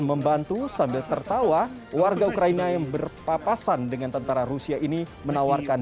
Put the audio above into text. membantu sambil tertawa warga ukraina yang berpapasan dengan tentara rusia ini menawarkan